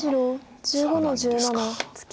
白１５の十七ツケ。